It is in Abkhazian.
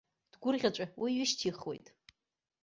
Дгәырӷьаҵәа уи ҩышьҭихуеит.